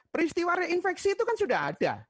peristiwa reinfeksi itu kan sudah ada